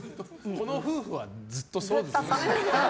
この夫婦はずっとそうですよね。